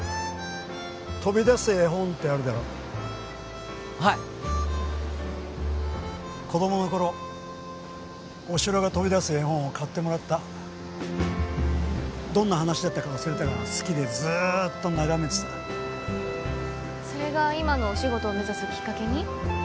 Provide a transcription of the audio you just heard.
飛び出す絵本ってあるだろはい子供の頃お城が飛び出す絵本を買ってもらったどんな話だったか忘れたが好きでずっと眺めてたそれが今のお仕事を目指すきっかけに？